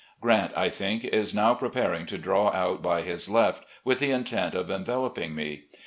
Grant, I think, is now preparing to draw out by his left with the intent of envel oping me.